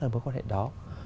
với quan hệ đó